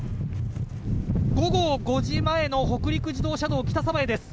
午後５時前の北陸自動車道の北鯖江です。